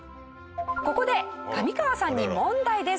ここで上川さんに問題です。